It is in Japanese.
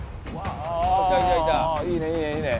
いいねいいねいいね。